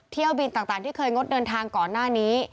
เที่ยวบินต่างที่เคยงดเดินทางก่อนหน้านี้